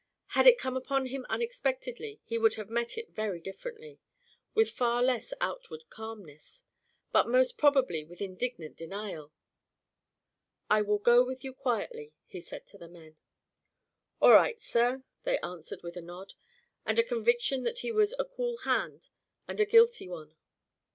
Had it come upon him unexpectedly he would have met it very differently; with far less outward calmness, but most probably with indignant denial. "I will go with you quietly," he said to the men. "All right, sir," they answered with a nod, and a conviction that he was a cool hand and a guilty one.